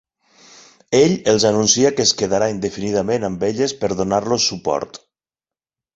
Ell els anuncia que es quedarà indefinidament amb elles per donar-los suport.